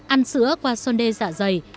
ăn sữa qua sôn đê dạ dày